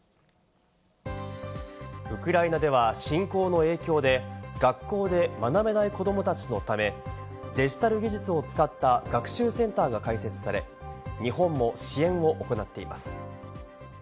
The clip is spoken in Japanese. ウクライナでは侵攻の影響で学校で学べない子どもたちのため、デジタル技術を使った学習センターが開設され、日本も支援を行っています。